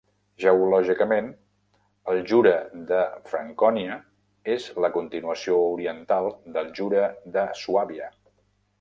Geològicament, el Jura de Francònia és la continuació oriental del Jura de Suàbia.